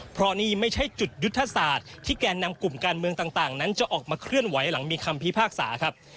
เพราะนี่ไม่ใช่จุดยุทธศาสตร์ที่แกนนำกลุ่มการเมืองต่างนั้นจะออกมาเคลื่อนไหวหลังมีคำพิพากษาครับ